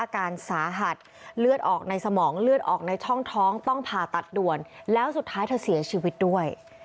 อาการสาหัสเลือดออกในสมองเลือดออกในช่องท้องต้องผ่าตัดด่วนแล้วสุดท้ายเธอเสียชีวิตด้วย